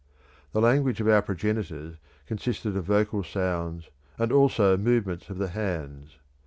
The language of our progenitors consisted of vocal sounds, and also movements of the hands.